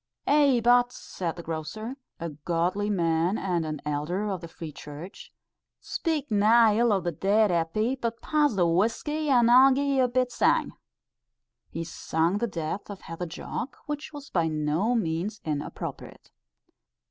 "Ay, but," said the grocer, a godly man and an elder of the Free Church, "speak nae ill o' the dead, Eppie, but pass the whuskey, and I'll gie ye a bit sang." He sung the death of Heather Jock, which was by no means inappropriate.